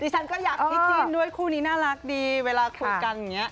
ดิฉันก็อยากทิตีด้วยคู่นนี่น่ารักดีเวลาคุยกัน